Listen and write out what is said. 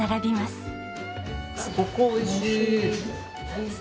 すごく美味しい。